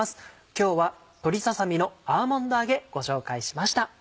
今日は「鶏ささ身のアーモンド揚げ」ご紹介しました。